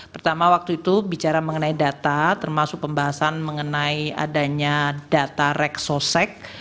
pertama waktu itu bicara mengenai data termasuk pembahasan mengenai adanya data reksosek